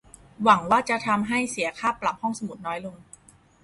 หวังว่าจะทำให้เสียค่าปรับห้องสมุดน้อยลง !